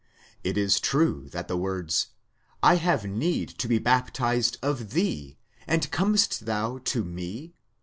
It is true that the words: 7 have need to be baptized of thee, and comest thou to me?